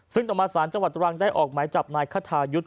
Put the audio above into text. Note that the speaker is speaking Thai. ซึ่งต่อมาสารจังหวัดตรังได้ออกหมายจับนายคทายุทธ์